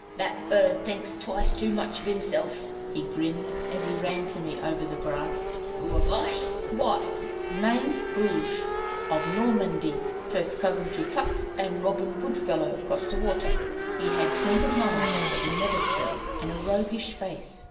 "That bird thinks twice too much of himself," he grinned, as he ran to me over the grass. "Who am I? Why, Nain Rouge of Normandy, first cousin to Puck and Robin Goodfellow across the water." He had twinkling eyes that were never still, and a roguish face.